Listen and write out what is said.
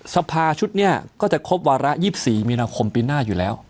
สภาชุดนี้ก็จะครบวาระ๒๔มีนาคมปีหน้าอยู่แล้ว